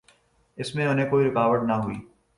اس میں انہیں کوئی رکاوٹ نہ ہوئی۔